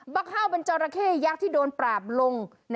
เฮ่าวเป็นจอราเข้ยักษ์ที่โดนปราบลง